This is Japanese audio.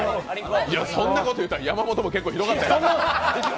そんなこと言うたら山本も結構ひどかったよ。